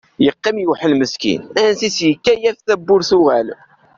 Yeqqim yewḥel meskin, ansa i s-yekka yaf tawwurt tuɣal.